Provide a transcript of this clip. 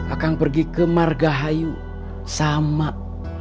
akang pergi ke margahayu samad